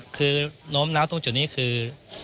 กลับคือน้ำน้ำตรงจุดนี้คือ